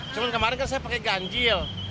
cuma kemarin kan saya pakai ganjil